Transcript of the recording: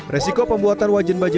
risiko pembuatan wajan baja